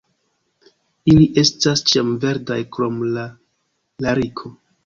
Ili estas ĉiamverdaj krom la lariko.